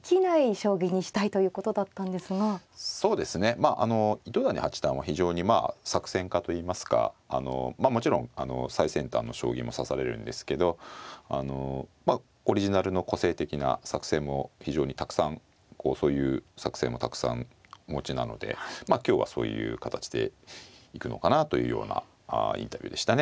まああの糸谷八段は非常にまあ作戦家といいますかあのもちろん最先端の将棋も指されるんですけどまあオリジナルの個性的な作戦も非常にたくさんそういう作戦もたくさんお持ちなのでまあ今日はそういう形で行くのかなというようなインタビューでしたね。